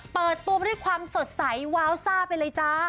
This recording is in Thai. เปิดตัวมาด้วยความสดใสว้าวซ่าไปเลยจ้า